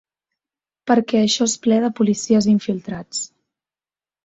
Perquè això és ple de policies infiltrats.